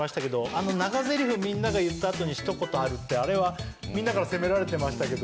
あの長ぜりふみんなが言った後に一言あるってあれはみんなから責められてましたけど。